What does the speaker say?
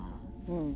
うん。